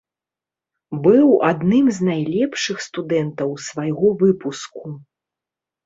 Быў адным з найлепшых студэнтаў свайго выпуску.